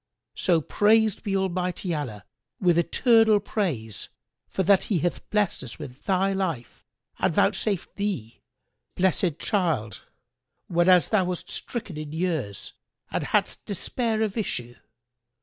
So praised be Almighty Allah with eternal praise for that He hath blessed us with thy life and vouchsafed thee this blessed child, whenas thou wast stricken in years and hadst despaired of issue!